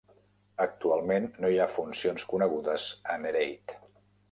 Actualment no hi ha funcions conegudes a Nereid.